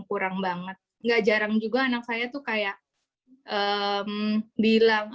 kurang banget gak jarang juga anak saya tuh kayak bilang